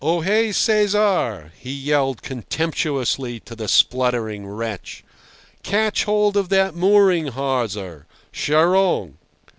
"Ohé, Cesar!" he yelled contemptuously to the spluttering wretch. "Catch hold of that mooring hawser—charogne!"